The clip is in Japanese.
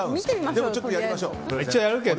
でもちょっとやりましょう。